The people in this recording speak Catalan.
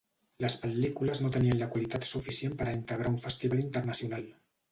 Les pel·lícules no tenien la qualitat suficient per a integrar un festival internacional.